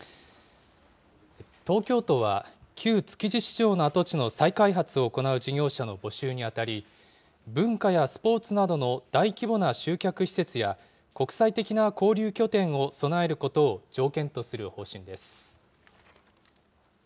東京都は、旧築地市場の跡地の再開発を行う事業者の募集にあたり、文化やスポーツなどの大規模な集客施設や、国際的な交流拠点を備えることを条件とする方針です。